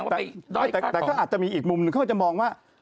แต่อาจจะมีอีกมุมเขาก็จะมองว่า